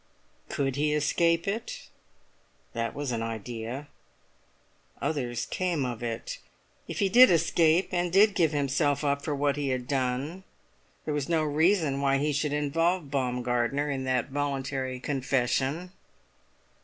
Could he escape it? That was an idea; others came of it. If he did escape, and did give himself up for what he had done, there was no reason why he should involve Baumgartner in that voluntary confession.